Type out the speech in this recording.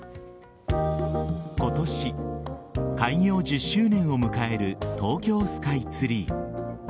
今年、開業１０周年を迎える東京スカイツリー。